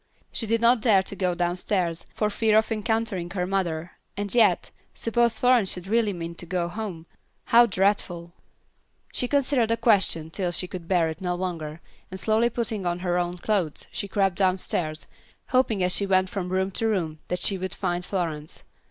She did not dare to go downstairs for fear of encountering her mother, and yet, suppose Florence should really mean to go home. How dreadful! She considered the question till she could bear it no longer, and, slowly putting on her own clothes, she crept downstairs, hoping as she went from room to room that she would find Florence.